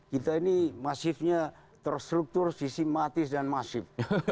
kita ini masifnya terstruktur sistematis dan masif